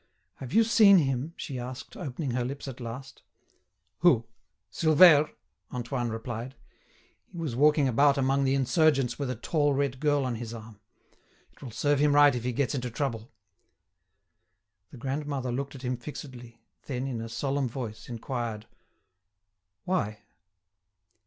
"Have you seen him?" she asked, opening her lips at last. "Who? Silvère?" Antoine replied. "He was walking about among the insurgents with a tall red girl on his arm. It will serve him right if he gets into trouble." The grandmother looked at him fixedly, then, in a solemn voice, inquired: "Why?"